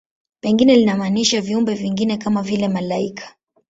Pengine linamaanisha viumbe vingine, kama vile malaika.